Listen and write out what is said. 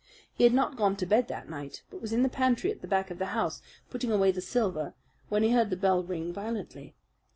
He had not gone to bed that night; but was in the pantry at the back of the house, putting away the silver, when he heard the bell ring violently.